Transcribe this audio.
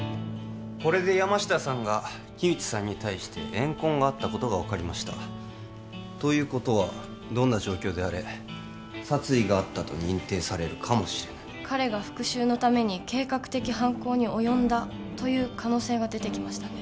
これで山下さんが木内さんに対し怨恨があることが分かりましたということはどんな状況であれ殺意があったと認定されるかもしれない彼が復讐のために計画的犯行に及んだ可能性が出てきましたね